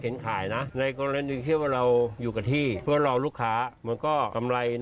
วันไหนขายได้ป้ามันกับลูก